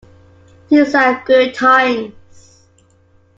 These are good times.